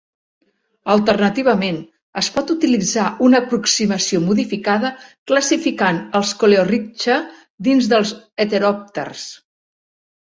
Alternativament, es pot utilitzar una aproximació modificada classificant els coleorrhyncha dins dels heteròpters.